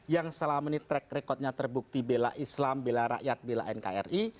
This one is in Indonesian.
yang selama ini track recordnya terbukti bela islam bela rakyat bela nkri